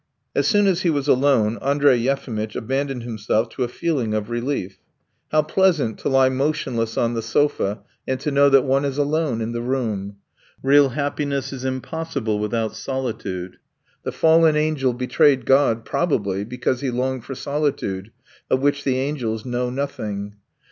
As soon as he was alone Andrey Yefimitch abandoned himself to a feeling of relief. How pleasant to lie motionless on the sofa and to know that one is alone in the room! Real happiness is impossible without solitude. The fallen angel betrayed God probably because he longed for solitude, of which the angels know nothing.